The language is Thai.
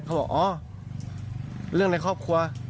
บอกอ๋อเรื่องในครอบครัว